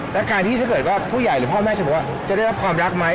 แล้วการที่ถ้าเกิดก็ผู้ใหญ่หรือพ่อแม่จะได้รับความรักไหม